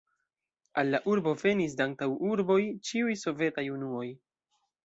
Al la urbo venis de antaŭurboj ĉiuj sovetaj unuoj.